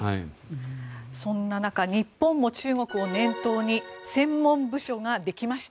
そんな中日本も中国を念頭に専門部署ができました。